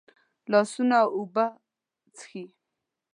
لاسونه اوبه څښي